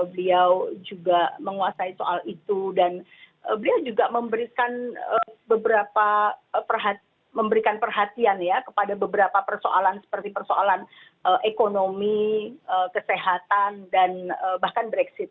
beliau juga menguasai soal itu dan beliau juga memberikan beberapa memberikan perhatian ya kepada beberapa persoalan seperti persoalan ekonomi kesehatan dan bahkan brexit